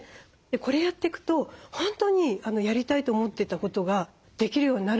これやっていくと本当にやりたいと思ってたことができるようになるんですよ。